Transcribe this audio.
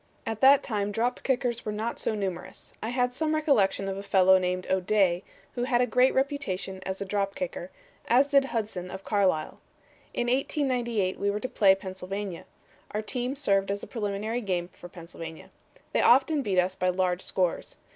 "At that time drop kickers were not so numerous. I had some recollection of a fellow named O'Day, who had a great reputation as a drop kicker, as did Hudson of Carlisle. In 1898 we were to play Pennsylvania. Our team served as a preliminary game for Pennsylvania. They often beat us by large scores.